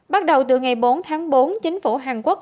bắt đầu từ ngày bốn tháng bốn chính phủ hàn quốc